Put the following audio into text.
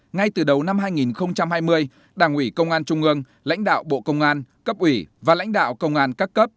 ngay từ đầu năm hai nghìn hai mươi đảng ủy công an trung ương lãnh đạo bộ công an cấp ủy và lãnh đạo công an các cấp